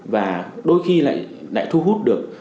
và đôi khi lại thu hút được